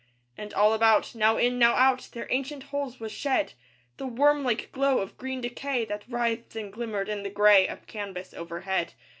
And all about, now in, now out, Their ancient hulls, was shed The worm like glow of green decay, That writhed and glimmered in the gray Of canvas overhead.